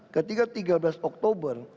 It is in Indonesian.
ketika tiga belas oktober